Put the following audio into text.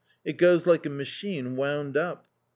It goes like a machine wound up."